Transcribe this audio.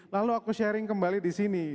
lalu aku sharing kembali di sini